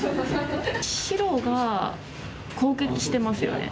白が攻撃してますよね